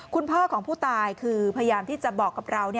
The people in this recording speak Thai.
คุณพ่อของผู้ตายคือพยายามที่จะบอกกับเรา